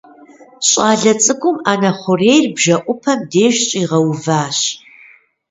Щӏалэ цӏыкӏум ӏэнэ хъурейр бжэӏупэм деж щигъэуващ.